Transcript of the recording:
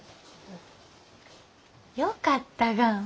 よかったがん。